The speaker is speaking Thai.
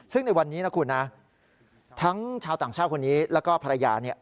ซึ่งในวันนี้นะครับคุณทั้งชาวต่างชาวคนนี้แล้วก็ภรรยา